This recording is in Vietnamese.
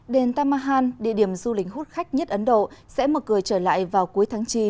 đền tam mahan địa điểm du lịch hút khách nhất ấn độ sẽ mở cửa trở lại vào cuối tháng chín